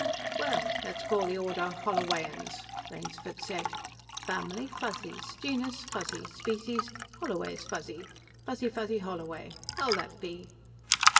"Well, let's call the order Hollowayans," Rainsford said. "Family, Fuzzies; genus, Fuzzy. Species, Holloway's Fuzzy Fuzzy fuzzy holloway. How'll that be?"